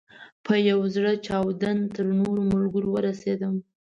په یو زړه چاودون تر نورو ملګرو ورسېدم.